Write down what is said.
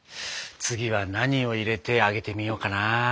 次は何を入れて揚げてみようかな。